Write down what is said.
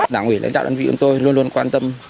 đảng ủy lãnh đạo đơn vị của tôi luôn luôn quan tâm